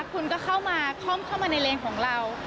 คุณก็เข้ามาคล่อมเข้ามาในเลนของเรา